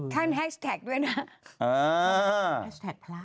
ท่านแฮชแท็กด้วยนะ